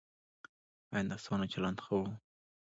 ایا نرسانو چلند ښه و؟